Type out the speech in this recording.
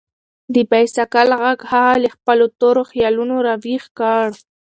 د بایسکل غږ هغه له خپلو تورو خیالونو راویښ کړ.